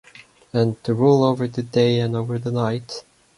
And to rule over the day and over the night